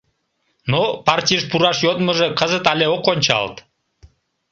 Но партийыш пураш йодмыжо кызыт але ок ончалт...